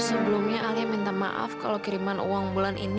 sebelumnya alia minta maaf kalau kiriman uang bulan ini